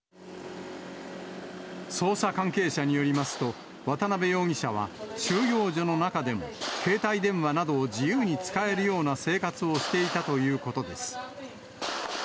捜査関係者によりますと、渡辺容疑者は、収容所の中でも、携帯電話などを自由に使えるような生活をしていたということです。